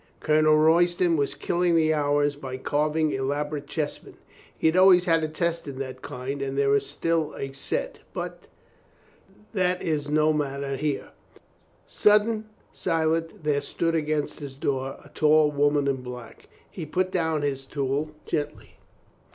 Colonel Royston was killing the hours by carving elaborate chessmen (he had always a taste in that kind and there is still a set — ^but that is no matter here) . Sudden, silent, there stood against his door a tall woman in black. He put down his tool gen tly.